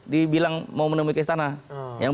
dibilang mau menemui ke istana yang